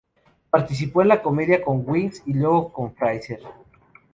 Participó en la comedia con "Wings", y luego "Frasier".